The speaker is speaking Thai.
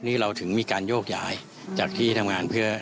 นี่เราถึงมีการโยกย้ายจากที่ทำงานเพื่อ